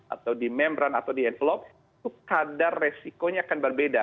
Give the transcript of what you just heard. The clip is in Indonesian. atau di membran atau di evelop itu kadar resikonya akan berbeda